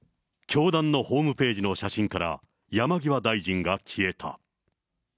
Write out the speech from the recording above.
教団のホームページの写真から山際大臣が消えた。